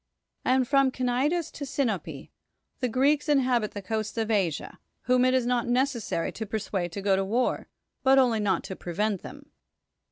And from Cnidus to Sinope the Greeks inhabit the coasts of Asia, whom it is not necessary to persuade to go to war, but [only] not to prevent them.